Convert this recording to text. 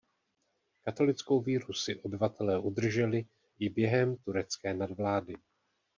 Katolickou víru si obyvatelé udrželi i během turecké nadvlády.